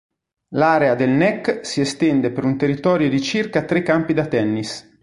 L'area del Nek si estende per un territorio di circa tre campi da tennis.